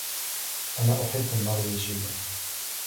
أنا أُحِب النرويجية.